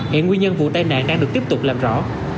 hiện nguyên nhân vụ tai nạn đang được tiếp tục làm rõ